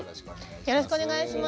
よろしくお願いします。